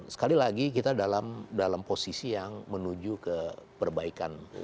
sekali lagi kita dalam posisi yang menuju ke perbaikan